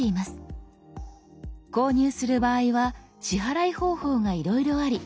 購入する場合は支払い方法がいろいろあり